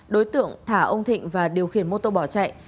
đối tượng thả ông thịnh và điều khiển mô tô bỏ chạy